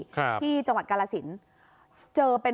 พอหลังจากเกิดเหตุแล้วเจ้าหน้าที่ต้องไปพยายามเกลี้ยกล่อม